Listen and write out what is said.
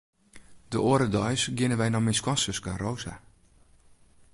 De oare deis geane wy nei myn skoansuske Rosa.